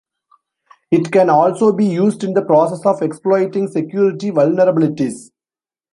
It can also be used in the process of exploiting security vulnerabilities.